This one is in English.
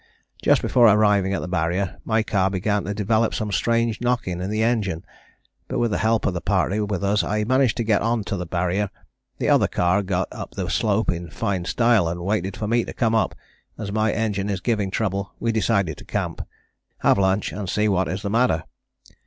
Just before arriving at the Barrier my car began to develop some strange knocking in the engine, but with the help of the party with us I managed to get on the Barrier, the other car got up the slope in fine style and waited for me to come up; as my engine is giving trouble we decided to camp, have lunch and see what is the matter.